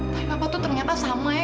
tapi apa tuh ternyata sama ya